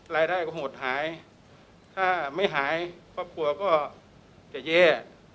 รายได้ก็โหดหายถ้าไม่หายก็กลัวก็จะเย่